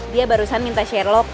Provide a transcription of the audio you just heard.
dia barusan minta sherlock